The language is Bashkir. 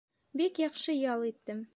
Бик яҡшы ял иттем.